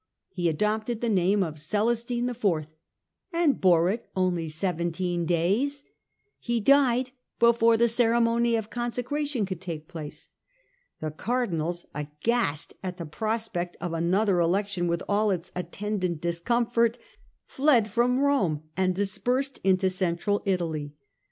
He adopted the name of Celestine IV and bore it only seventeen days : he died before the ceremony of conse cration could take place. The Cardinals, aghast at the prospect of another election, with all its attendant discomforts, fled from Rome and dispersed over Central Italy.